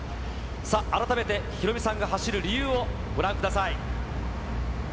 さあ、改めてヒロミさんが走る理由をご覧ください。